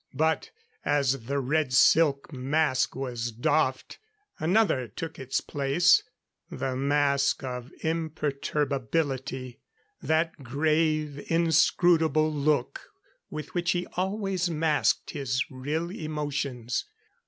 But, as the red silk mask was doffed, another took its place the mask of imperturbability that grave, inscrutable look with which he always masked his real emotions.